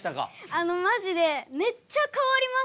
あのマジでめっちゃ変わりました。